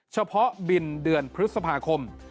เฉพาะบินเดือนพฤษภาคม